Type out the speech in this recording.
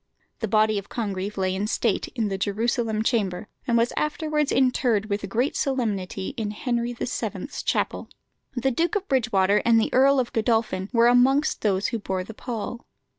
The body of Congreve lay in state in the Jerusalem Chamber, and was afterwards interred with great solemnity in Henry VII.'s Chapel. The Duke of Bridgewater and the Earl of Godolphin were amongst those who bore the pall.